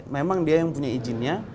memang dia yang punya izinnya